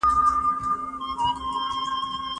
زه به مي دا عمر په کچکول کي سپلنی کړمه